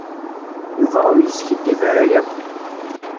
Yuba ur yeskiddib ara akk.